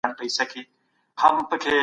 د خصوصي سکتور پرمختګ د هرچا د ستايني وړ دی.